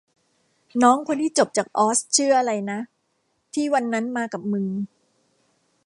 น้องคนที่จบจากออสชื่ออะไรนะ ที่วันนั้นมากับมึง